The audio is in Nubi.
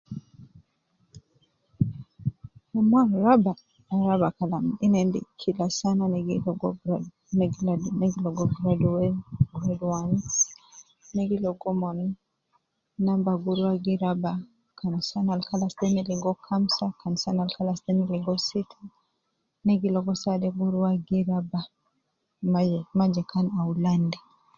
Karni al futu garaya kan sia, baada ta dusuman ta sana ta elf wai tisa mia wu eh tisa wu sebein anas abidu garaya, asede garaya kwesi, anas milan agara lakin kidima ya sia.